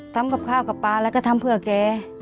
ทำกับข้าวกับปลาแล้วก็ทำเพื่อแก